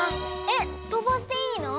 えっとばしていいの？